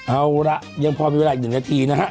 เอาละยังพอมีเวลาอีก๑นาทีนะฮะ